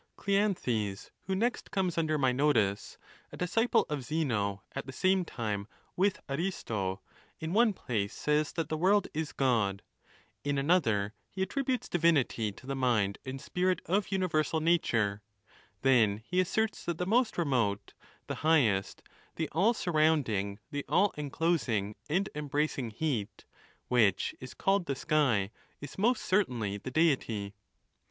Cleanthes, who next comes under my notice, a disciple of Zeno at the same time with Aristo, in one place says that the world is God ; in another, he attributes divinity to the mind and spirit of universal nature; then he asserts that the most remote, the highest, the all surrounding, the all enclosing and embracing heat, which is called the sky, is most certainly the Deity.